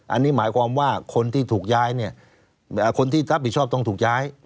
อันนี้หมายความว่าคนที่ถูกย้ายเนี่ยคนที่รับผิดชอบต้องถูกย้าย